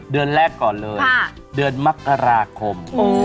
เดือนแรกก่อนเลยเดือนมกราคม